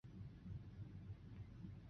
官至都察院右都御史。